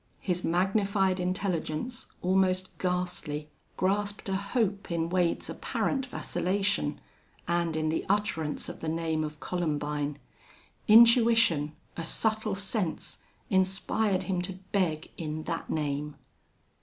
His magnified intelligence, almost ghastly, grasped a hope in Wade's apparent vacillation and in the utterance of the name of Columbine. Intuition, a subtle sense, inspired him to beg in that name.